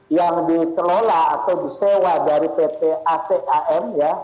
yang dikelola atau disewa dari pt acam